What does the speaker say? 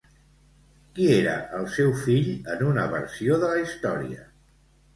Qui era el seu fill en una versió de la història?